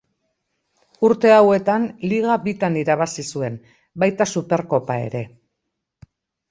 Urte hauetan liga bitan irabazi zuen baita Superkopa ere.